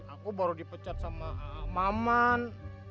aku baru dipecat sama maman